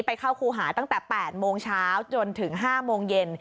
ไปเข้าครูหาตั้งแต่๘โมงเช้าจนถึง๕โมงเย็น